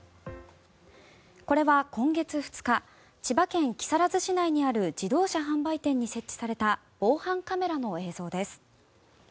これは今月２日千葉県木更津市内にある自動車販売店に設置された防犯カメラの映像です。